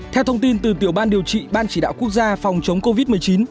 theo thông tin từ tiểu ban điều trị ban chỉ đạo quốc gia phòng chống covid một mươi chín